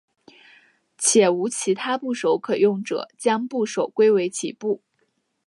且无其他部首可用者将部首归为齐部。